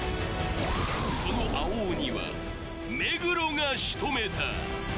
その青鬼は目黒がしとめた！